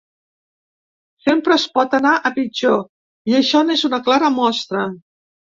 Sempre es pot anar a pitjor i això n’és una clara mostra.